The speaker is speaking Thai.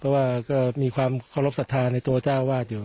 เพราะว่าก็มีความความรับศรัทธิ์มันในตัวเจ้าวาดแล้ว